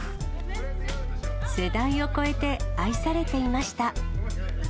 世代を超えて、愛されていました。